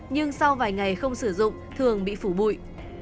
nhưng sau vài ngày không sử dụng thường không có bụi